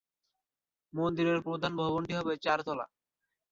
মন্দিরের প্রধান ভবনটি হবে চারতলা।